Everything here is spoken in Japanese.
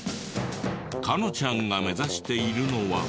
香乃ちゃんが目指しているのは。